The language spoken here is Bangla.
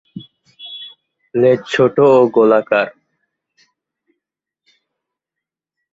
লেজ ছোট ও গোলাকার।